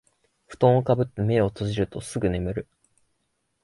ふとんをかぶって目を閉じるとすぐ眠る